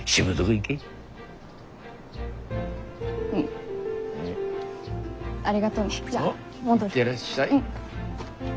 行ってらっしゃい。